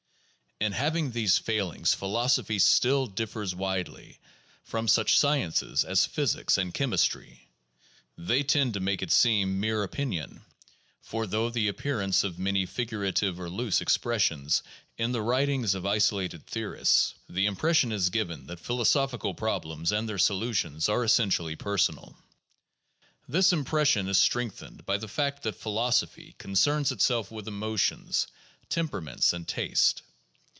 In having these failings philosophy still differs widely from such sciences as physics and chemistry. They tend to make it seem mere opinion; for through the appearance of many figurative or loose expressions in the writings of isolated theorists, the impression is given that philo sophical problems and their solutions are essentially personal. This impression is strengthened by the fact that philosophy concerns itself with emotions, temperaments, and taste.